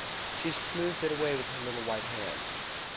She smoothed it away with her little white hand.